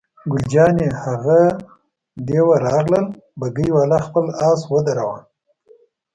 ګل جانې: هغه د یوه راغلل، بګۍ والا خپل آس ودراوه.